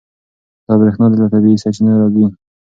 دا برېښنا له طبیعي سرچینو راځي.